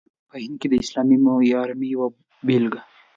په هند کې د اسلامي معمارۍ یوه بېلګه.